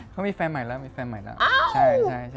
เขามีแฟนใหม่แล้วมีแฟนใหม่แล้ว